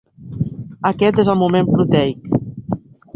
Aquest és el moment proteic.